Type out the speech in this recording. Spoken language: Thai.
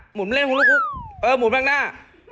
หมุนไปเล่นเออหมุนไปข้างหน้า